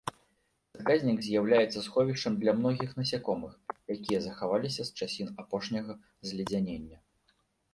Заказнік з'яўляецца сховішчам для многіх насякомых, якія захаваліся з часін апошняга зледзянення.